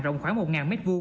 rồng khoảng một m hai